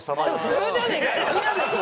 普通じゃねえかよ！